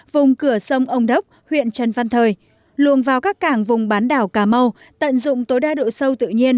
vùng cửa sông ông đốc huyện trần văn thời luồng vào các cảng vùng bán đảo cà mau tận dụng tối đa độ sâu tự nhiên